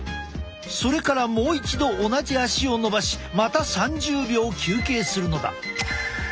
それからもう一度同じ足をのばしまた３０秒休憩するのだ。